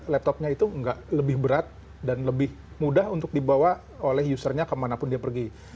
laptopnya itu nggak lebih berat dan lebih mudah untuk dibawa oleh usernya kemanapun dia pergi